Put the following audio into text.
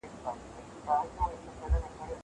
که وخت وي، سبزېجات جمع کوم!